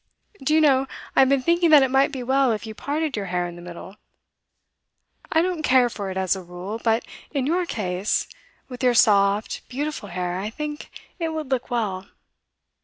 Do you know, I've been thinking that it might be well if you parted your hair in the middle. I don't care for it as a rule; but in your case, with your soft, beautiful hair, I think it would look well.